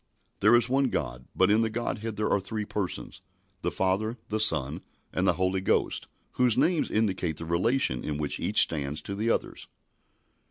There is one God, but in the Godhead there are three Persons, the Father, the Son, and the Holy Ghost, whose names indicate the relation in which each stands to the others.